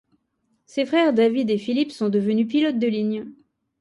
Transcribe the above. Ses frères, David et Philip sont devenus pilotes de ligne.